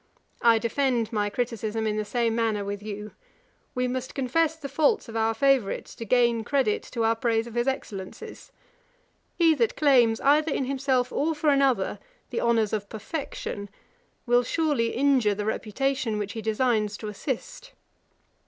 I defend my criticism in the same manner with you. We must confess the faults of our favourite, to gain credit to our praise of his excellencies. He that claims, either in himself or for another, the honours of perfection, will surely injure the reputation which he designs to assist.